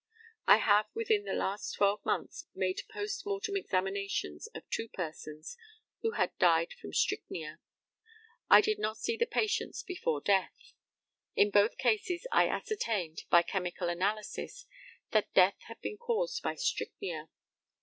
I have, within the last twelve months, made post mortem examinations of two persons who had died from strychnia. I did not see the patients before death. In both cases I ascertained, by chemical analysis, that death had been caused by strychnia.